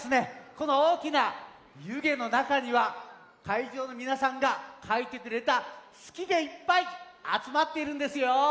このおおきなゆげのなかにはかいじょうのみなさんがかいてくれた「すき」がいっぱいあつまっているんですよ。